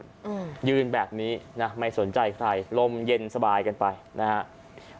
อืมยืนแบบนี้นะไม่สนใจใครลมเย็นสบายกันไปนะฮะ